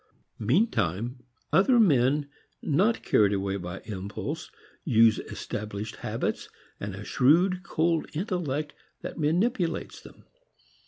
Meantime, other men, not carried away by impulse, use established habits and a shrewd cold intellect that manipulates them.